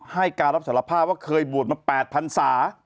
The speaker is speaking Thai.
ให้การรับสารภาพว่าเคยบวชมา๘พันศา